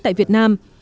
tại việt nam